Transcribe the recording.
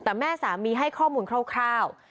แต่แม่สามีให้ข้อมูลคร่าว